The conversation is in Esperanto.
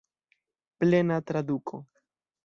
Plena traduko.